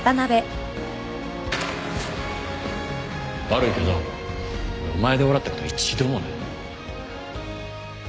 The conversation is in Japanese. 悪いけど俺お前で笑ったこと一度もない